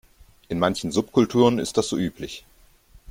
In manchen Subkulturen ist das so üblich.